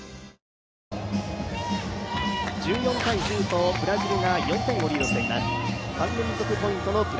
１４−１０とブラジルが４点をリードしています。